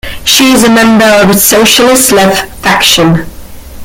She is a member of its Socialist Left faction.